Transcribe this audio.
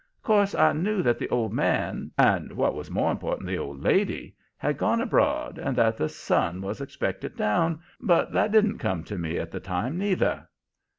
'Course I knew that the old man and, what was more important, the old lady had gone abroad and that the son was expected down, but that didn't come to me at the time, neither.